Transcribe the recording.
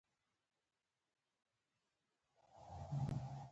د پیرودونکو اړتیاوې هر کال بدلېږي.